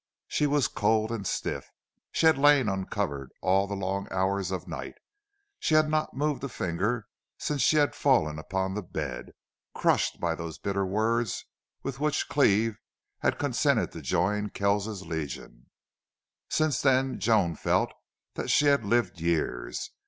She was cold and stiff. She had lain uncovered all the long hours of night. She had not moved a finger since she had fallen upon the bed, crushed by those bitter words with which Cleve had consented to join Kells's Legion. Since then Joan felt that she had lived years.